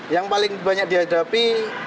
yang paling banyak dihadapi